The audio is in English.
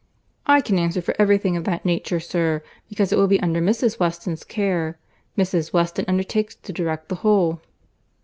"I can answer for every thing of that nature, sir, because it will be under Mrs. Weston's care. Mrs. Weston undertakes to direct the whole."